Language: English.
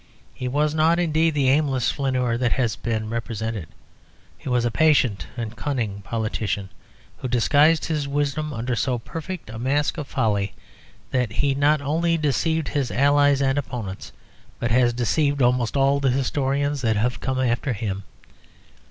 He was not, indeed, the aimless flaneur that he has been represented. He was a patient and cunning politician, who disguised his wisdom under so perfect a mask of folly that he not only deceived his allies and opponents, but has deceived almost all the historians that have come after him.